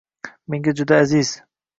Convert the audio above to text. Menga juda aziz